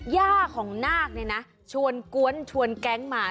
ย่าของนาคเนี่ยนะชวนกวนชวนแก๊งมา